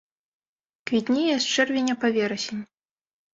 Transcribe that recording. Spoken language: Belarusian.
Квітнее з чэрвеня па верасень.